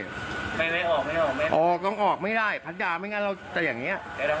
ไม่ได้ออกไม่ได้ไม่ได้พัฒนาแม่งงั้นเราจะอย่างเนี้ย